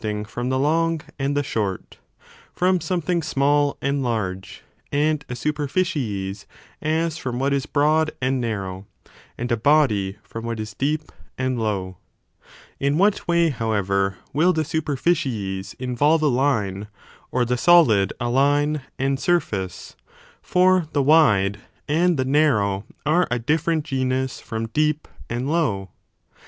{ing from the long and the short, firom something mathematical small and large, and a superficies as from what is broad and narrow, and a body from what is deep and low. In what way, however, will the superficies OH. IX.] PLATO ON F1B8T FBINOIPLES. 43 involve a line, or the solid a line and surface, for the wide and the narrow are a different genus from deep and low?